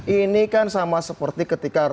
ini kan sama seperti ketika